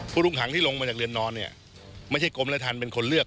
ผู้ต้องขังที่ลงมาจากเรือนนอนเนี่ยไม่ใช่กรมและทันเป็นคนเลือก